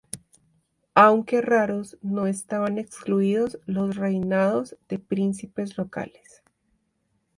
Aunque raros, no estaban excluidos los reinados de príncipes locales.